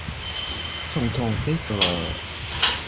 痛痛飛走了